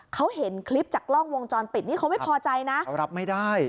เขาเห็นคลิปจากกล้องวงจรปิดนี่เขาไม่พอใจนะเขารับไม่ได้